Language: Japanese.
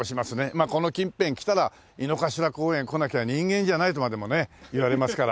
まあこの近辺来たら井の頭公園来なきゃ人間じゃないとまでもねいわれますから。